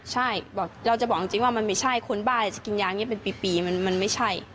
ใช่บอกเราจะบอกจริงว่ามันไม่ใช่คนบ้าจะกินยาอย่างนี้เป็นปีมันไม่ใช่